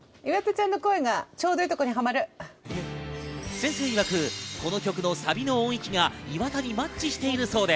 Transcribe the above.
先生いわく、この曲のサビの音域が岩田にマッチしているそうで。